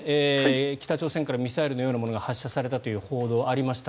北朝鮮からミサイルのようなものが発射されたという情報がありました。